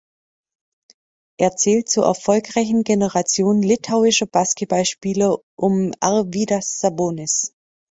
Er zählt zur erfolgreichen Generation litauischer Basketballspieler um Arvydas Sabonis.